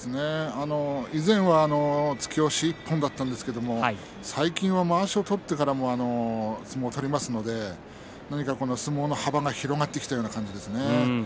いずれも突き押し１本ですけれども、最近はまわしを取ってから相撲を取りますのでなんか相撲の幅が広がってきたような感じですね。